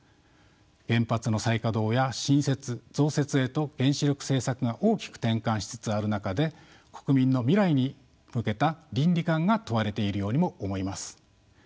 原発の再稼働や新設・増設へと原子力政策が大きく転換しつつある中で国民の未来に向けた倫理観が問われているようにも思います。